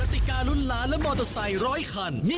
และติกาลุ้นล้านและมอเตอร์ไซค์ร้อยคัน